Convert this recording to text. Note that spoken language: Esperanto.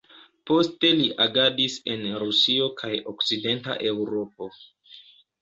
Poste li agadis en Rusio kaj okcidenta Eŭropo.